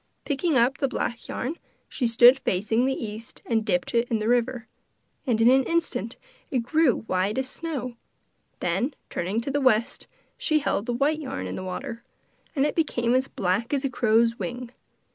Picking up the black yarn, she stood facing the east and dipped it in the river, and in an instant it grew white as snow, then turning to the west, she held the white yarn in the water, and it became as black as a crow's wing.